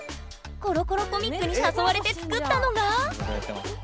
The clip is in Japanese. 「コロコロコミック」に誘われて作ったのが。